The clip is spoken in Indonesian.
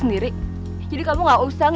deku di badan kamu deku